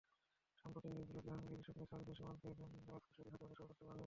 সাম্প্রতিক মাসগুলোতে হাঙ্গেরির সঙ্গে সার্বিয়া সীমান্তের রোজসকা দিয়ে হাজারো শরণার্থী পার হয়েছে।